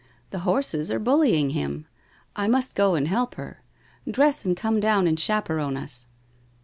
The horses are bullying him. I must go and help her. Dress and come down and chaperon us